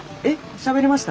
しゃべりました？